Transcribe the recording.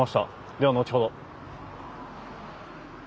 では後ほど。